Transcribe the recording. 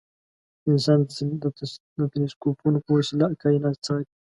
انسان د تلسکوپونو په وسیله کاینات څاري.